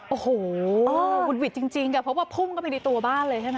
โอ้โหวุดหวิดจริงค่ะเพราะว่าพุ่งเข้าไปในตัวบ้านเลยใช่ไหม